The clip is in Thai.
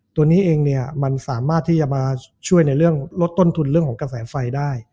ตัวนี้เองเนี่ยมันสามารถที่จะมาช่วยในเรื่องลดต้นทุนเรื่องของกระแสไฟได้